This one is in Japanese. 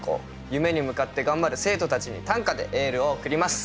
夢に向かって頑張る生徒たちに短歌でエールを送ります。